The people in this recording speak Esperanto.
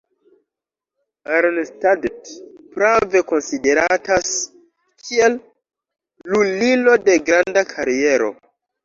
Arnstadt prave konsideratas kiel lulilo de granda kariero.